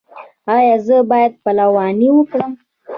ایا زه باید پلوانی وکړم؟